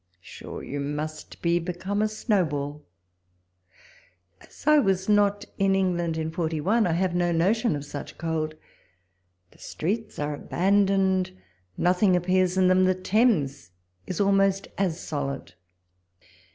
Sure you must be become a snowball ! As I was not in England in forty walpole's letters. 73 one, I have no notion of such cold. The streets are abandoned ; nothing appears in them : the Thames is ahnost as solid.